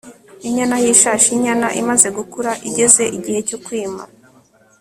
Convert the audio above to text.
inyana y'ishashi inyana imaze gukura igeze igihe cyokwima